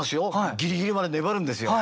ギリギリまで粘るんですよ。